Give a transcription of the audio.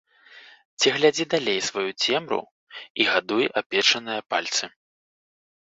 Ці глядзі далей сваю цемру і гадуй апечаныя пальцы.